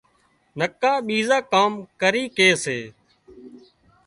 نڪا ٻيزان ڪام ڪري ڪي سي